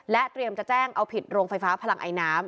เตรียมจะแจ้งเอาผิดโรงไฟฟ้าพลังไอน้ำ